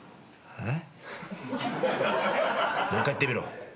えっ？